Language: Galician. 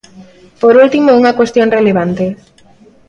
Por último, unha cuestión relevante.